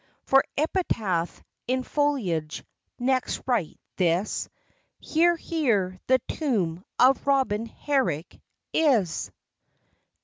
For epitaph, in foliage, next write this: HERE, HERE THE TOMB OF ROBIN HERRICK IS!